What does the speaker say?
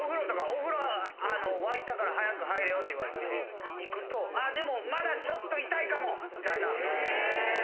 お風呂わいたから早く入れよって言われて行くとあでもまだちょっと痛いかもみたいな。